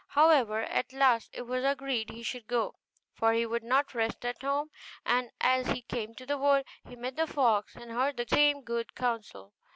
However, at last it was agreed he should go, for he would not rest at home; and as he came to the wood, he met the fox, and heard the same good counsel.